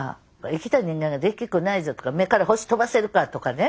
生きた人間ができっこないぞとか目から星飛ばせるかとかね。